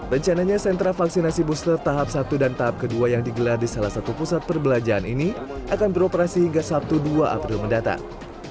rencananya sentra vaksinasi booster tahap satu dan tahap kedua yang digelar di salah satu pusat perbelanjaan ini akan beroperasi hingga sabtu dua april mendatang